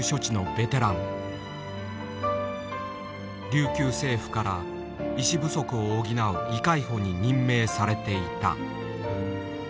琉球政府から医師不足を補う「医介輔」に任命されていた。